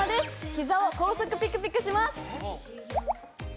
膝を高速ピクピクします